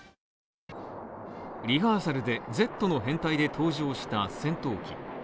リハーサルで「Ｚ」の編隊で登場した戦闘機。